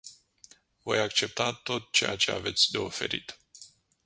Voi accepta tot ceea ce aveți de oferit.